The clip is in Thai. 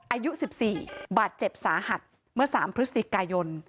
อายุ๑๔บาดเจ็บสาหัสเมื่อ๓พฤศจิกายน